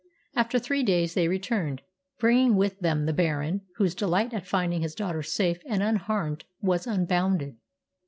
After three days they returned, bringing with them the Baron, whose delight at finding his daughter safe and unharmed was unbounded.